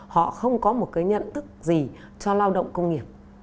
họ không có một cái nhận thức gì cho lao động công nghiệp